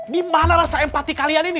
gimana rasa empati kalian ini